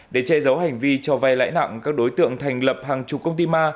để che giấu hành vi cho vay lãi nặng các đối tượng thành lập hàng chục công ty ma